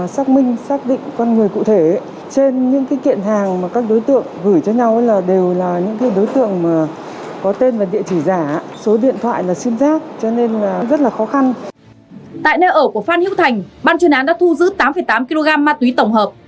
tại nơi ở của phan hữu thành ban chuyên án đã thu giữ tám tám kg ma túy tổng hợp